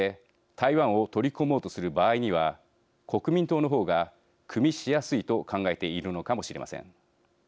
台湾を取り込もうとする場合には国民党の方がくみしやすいと考えているのかもしれません。